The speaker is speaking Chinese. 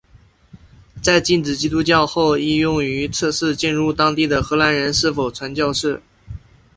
在禁止基督教后亦用于测试进入当地的荷兰人是否传教士。